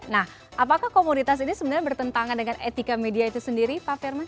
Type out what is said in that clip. nah apakah komoditas ini sebenarnya bertentangan dengan etika media itu sendiri pak firman